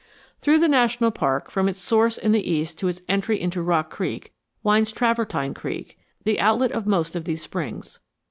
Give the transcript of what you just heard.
Through the national park, from its source in the east to its entry into Rock Creek, winds Travertine Creek, the outlet of most of these springs.